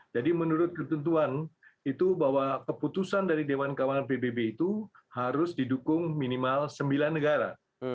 jadi menurut ketentuan itu bahwa keputusan dari dewan keamanan pbb itu harus didukung minimal sembilan negara